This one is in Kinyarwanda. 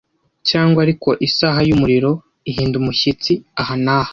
Cyangwa ariko isaha yumuriro ihinda umushyitsi aha n'aha,